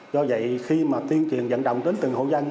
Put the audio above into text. do vậy khi mà tuyên truyền dẫn động đến từng hộ dân